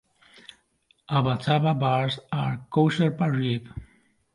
Abba-Zaba bars are kosher pareve.